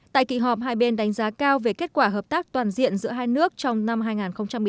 tại kỳ họp hai bên đánh giá cao về kết quả hợp tác toàn diện giữa hai nước trong năm hai nghìn một mươi chín